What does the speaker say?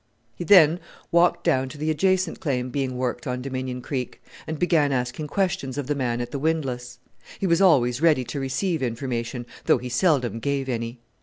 He then walked down to the adjacent claim being worked on Dominion Creek, and began asking questions of the man at the windlass. He was always ready to receive information, though he seldom gave any.